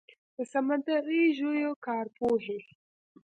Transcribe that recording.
د سمندري ژویو کارپوهې